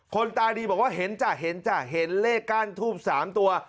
ตาดีบอกว่าเห็นจ้ะเห็นจ้ะเห็นเลขก้านทูบ๓ตัว